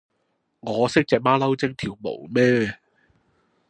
我識隻馬騮精條毛咩